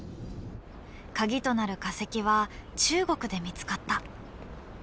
カギとなる化石は中国で見つかった。